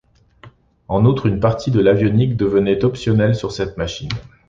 En outre une partie de l'avionique devenait optionnelle sur cette machine.